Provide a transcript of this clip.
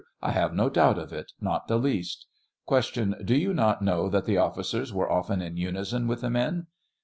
1 have no doubt of it ; not the least. Q. Do you not know thj\t the ofiScers were often in unison with the men